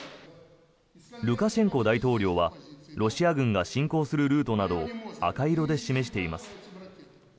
ルカシェンコ大統領はロシア軍が侵攻するルートなどを赤色で示しています。